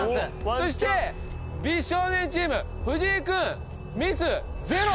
そして美少年チーム藤井君ミスゼロ。